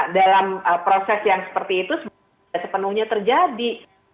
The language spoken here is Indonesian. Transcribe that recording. dalam proses yang seperti itu tidak sepenuhnya terjadi